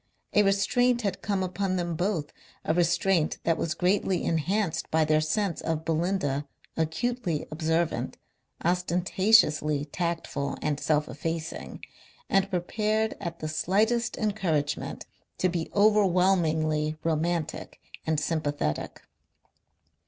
A restraint had come upon them both, a restraint that was greatly enhanced by their sense of Belinda, acutely observant, ostentatiously tactful and self effacing, and prepared at the slightest encouragement to be overwhelmingly romantic and sympathetic.